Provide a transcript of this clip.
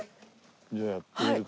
じゃあやってみるか。